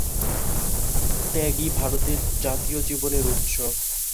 ত্যাগই ভারতের জাতীয় জীবনের উৎস।